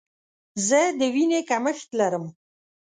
زه د ویني کمښت لرم.